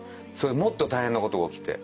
もっと大変なことが起きて。